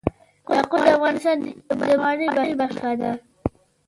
یاقوت د افغانستان د بڼوالۍ برخه ده.